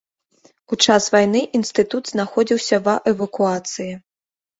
У час вайны інстытут знаходзіўся ва эвакуацыі.